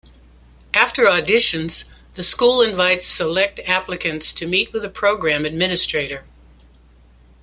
After auditions, the school invites select applicants to meet with a program administrator.